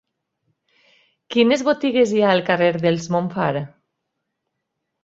Quines botigues hi ha al carrer dels Montfar?